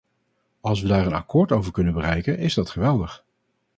Als we daar een akkoord over kunnen bereiken, is dat geweldig.